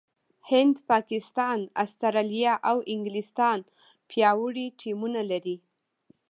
هند، پاکستان، استراليا او انګلستان پياوړي ټيمونه لري.